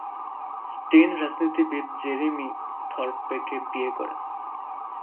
Steyn রাজনীতিবিদ Jeremy থর্পকে বিয়ে করেন।